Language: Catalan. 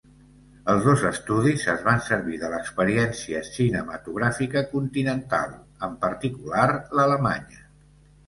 Els dos estudis es van servir de l'experiència cinematogràfica continental, en particular l'alemanya.